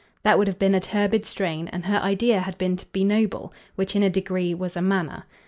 That would have been a turbid strain, and her idea had been to be noble; which, in a degree, was a manner.